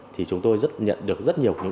thì chúng tôi nhận được rất nhiều những ý kiến